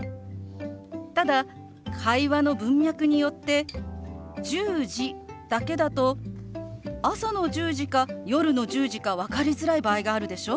ただ会話の文脈によって「１０時」だけだと朝の１０時か夜の１０時か分かりづらい場合があるでしょ？